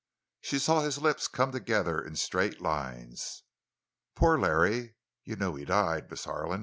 She saw his lips come together in straight lines. "Poor Larry. You knew he died, Miss Harlan?"